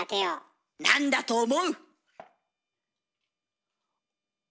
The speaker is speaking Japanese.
何だと思う？